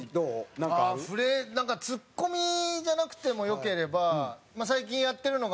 なんか、ツッコミじゃなくてもよければ、最近やってるのが。